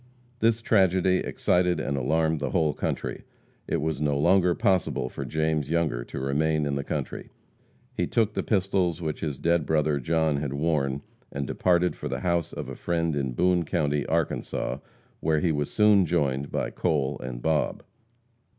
This tragedy excited and alarmed the whole country. It was no longer possible for James Younger to remain in the country. He took the pistols which his dead brother, John, had worn, and departed for the house of a friend in Boone county, Arkansas, where he was soon joined by Cole and Bob.